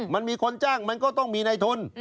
มันมีคนจ้างมันก็ต้องมีในทุน